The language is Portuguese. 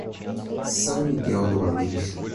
São Miguel do Aleixo